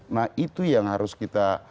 nah itu yang harus kita